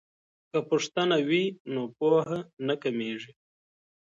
که پوښتنه وي نو پوهه نه کمیږي.